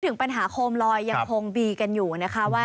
ถึงปัญหาโคมลอยยังคงมีกันอยู่นะคะว่า